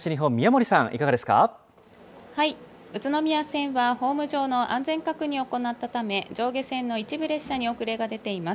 本線は異音の確認を行ったため、上り線の一部列車に遅れが出ています。